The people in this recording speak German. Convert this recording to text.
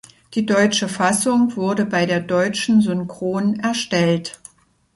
Die deutsche Fassung wurde bei der Deutschen Synchron erstellt.